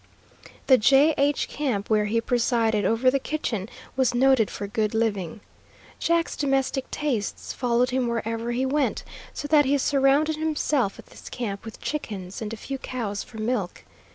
The "J+H" camp, where he presided over the kitchen, was noted for good living. Jack's domestic tastes followed him wherever he went, so that he surrounded himself at this camp with chickens, and a few cows for milk.